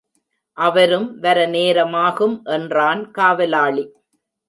அவரும் வர நேரமாகும் என்றான் காவலாளி.